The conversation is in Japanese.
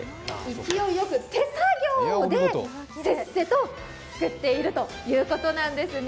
勢いよく手作業で、せっせと作っているということなんですね。